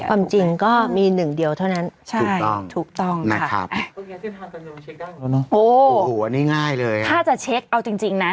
ความจริงก็มีหนึ่งเดียวเท่านั้นถูกต้องนะครับ